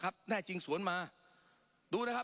ปรับไปเท่าไหร่ทราบไหมครับ